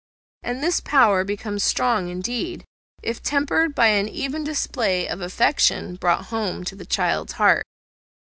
And this power becomes strong indeed, if tempered by an even display of affection brought home to the child's heart.